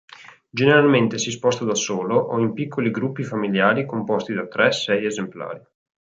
Generalmente si sposta da solo o in piccoli gruppi familiari composti da tre-sei esemplari.